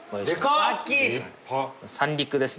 立派三陸ですね